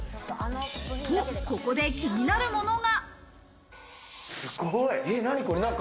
ここで気になるものが。